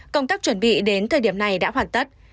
công tác chuẩn bị đến thời điểm này đã hoàn tất